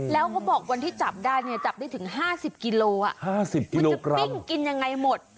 แล้วก็บอกวันที่จับได้จับได้ถึง๕๐กิโลเพื่อจะปิ้งกินยังไงหมด